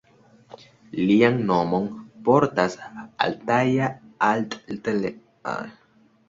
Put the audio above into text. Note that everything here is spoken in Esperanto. Lian nomon portas altaja altlernejo.